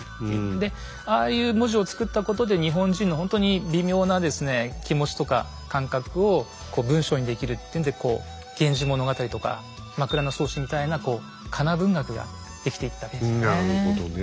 でああいう文字を作ったことで日本人のほんとに微妙な気持ちとか感覚を文章にできるっていうんで「源氏物語」とか「枕草子」みたいな仮名文学が出来ていったわけですよね。